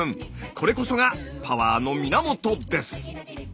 これこそがパワーの源です！